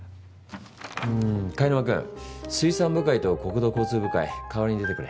うん貝沼君水産部会と国土交通部会代わりに出てくれ。